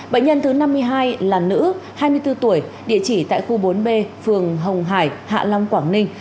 bệnh nhân thứ năm mươi hai là nữ hai mươi bốn tuổi địa chỉ tại khu bốn b phường hồng hải hạ long quảng ninh